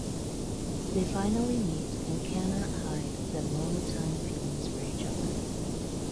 They finally meet and cannot hide their long-time feelings for each other.